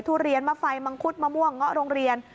ทุเรียนมะไฟมังคุดมะม่วงเงาะโรงเรียน